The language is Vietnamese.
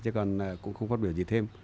chứ còn cũng không phát biểu gì thêm